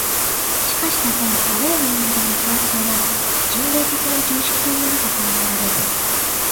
しかし他方、あらゆる人間に共通な、人類的な常識というものが考えられる。